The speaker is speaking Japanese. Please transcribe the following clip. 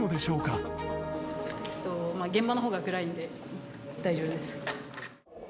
現場のほうが暗いんで大丈夫です。